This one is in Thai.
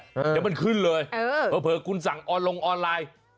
เดี๋ยวมันขึ้นเลยเผลอคุณสั่งออนลงออนไลน์